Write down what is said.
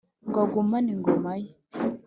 ngo agumane ingoma ye